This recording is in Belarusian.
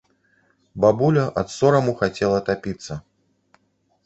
Бабуля ад сораму хацела тапіцца.